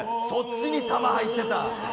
そっちに弾入ってた。